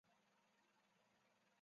随后贬为麟山驿丞。